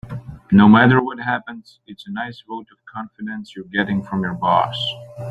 No matter what happens, it's a nice vote of confidence you're getting from your boss.